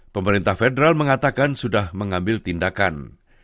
pemerintah federal mengatakan sudah mengambil tindakan